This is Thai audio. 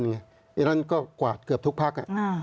อย่างนั้นก็กวาดเกือบทุกพัก